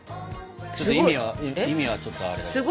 ちょっと意味は意味はちょっとあれだけど。